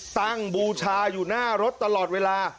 บูชาอยู่หน้ารถตลอดเวลา